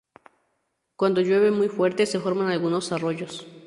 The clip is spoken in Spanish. Cuando llueve muy fuerte se forman algunos arroyos.